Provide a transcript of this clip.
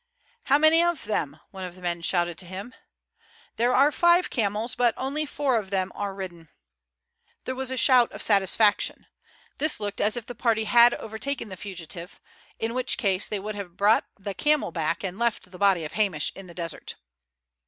"How many of them?" one of the men shouted to him. "There are five camels, but only four of them are ridden." There was a shout of satisfaction. This looked as if the party had overtaken the fugitive, in which case they would have brought the camel back and left the body of Hamish in the desert.